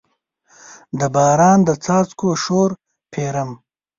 د باران د څاڅکو شور پیرم